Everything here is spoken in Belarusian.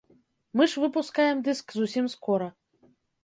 Мы ж выпускаем дыск зусім скора.